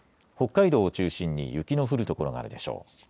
北海道を中心に雪の降る所があるでしょう。